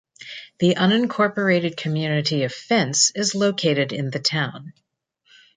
The unincorporated community of Fence is located in the town.